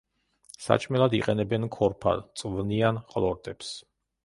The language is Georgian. საჭმელად იყენებენ ქორფა, წვნიან ყლორტებს.